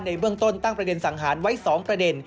เบื้องต้นตั้งประเด็นสังหารไว้๒ประเด็น